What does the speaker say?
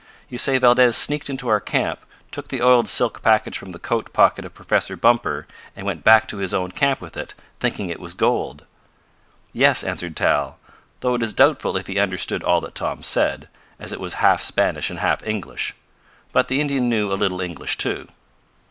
You say Valdez sneaked into our camp, took the oiled silk package from the coat pocket of Professor Bumper and went back to his own camp with it, thinking it was gold." "Yes," answered Tal, though it is doubtful if he understood all that Tom said, as it was half Spanish and half English. But the Indian knew a little English, too.